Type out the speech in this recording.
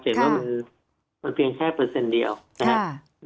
เห็นว่ามันเพียงแค่เปอร์เซ็นต์เดียวนะครับ